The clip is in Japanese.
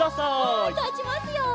はいたちますよ。